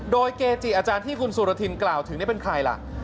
โดยเกจิอาจารย์ที่คุณสุรทินกล่าวถึงเป็นใครล่ะ